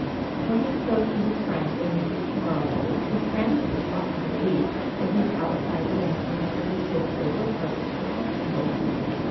When he spoke to his friends of Mrs. Carroll his friends were taught to believe that his outside arrangements with his sister were perfectly comfortable.